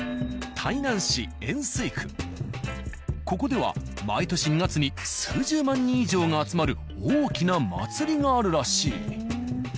ここでは毎年２月に数十万人以上が集まる大きな祭りがあるらしい。